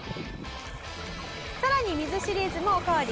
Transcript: さらに水シリーズもおかわり。